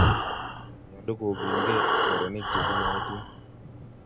nyoluu kokirgei murenik che chemoitin